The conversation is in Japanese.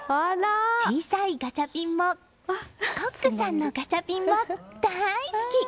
小さいガチャピンもコックさんのガチャピンも大好き。